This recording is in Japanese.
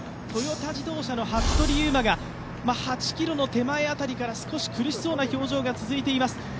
トヨタ紡織の服部勇馬が８ｋｍの手前辺りから少し苦しそうな表情が続いています。